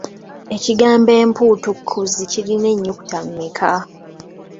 Ekigambo empuutukuzi kirina ennyukuta mmeka?